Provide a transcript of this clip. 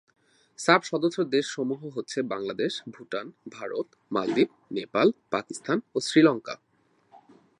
সাফ সদস্য দেশ সমূহ হচ্ছে- বাংলাদেশ, ভুটান, ভারত, মালদ্বীপ, নেপাল, পাকিস্তান ও শ্রীলঙ্কা।